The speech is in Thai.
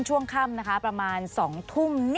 สวัสดีครับทุกคน